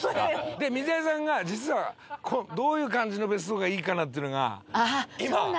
水谷さんが実はどういう感じの別荘がいいかなっていうのが今まさにね探してるというか。